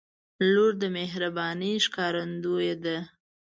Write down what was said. • لور د مهربانۍ ښکارندوی ده.